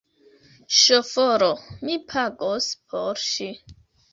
Ŝoforo! Mi pagos por ŝi